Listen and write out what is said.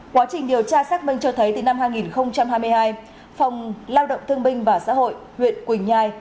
quá trình điều tra xác minh cho thấy từ năm hai nghìn hai mươi hai phòng lao động thương binh và xã hội huyện quỳnh nhai